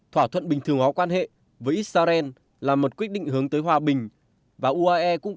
thỏa thuận bình thường hóa quan hệ với israel là một quyết định hướng tới hòa bình và uae cũng